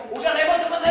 udah lewat cepet lewat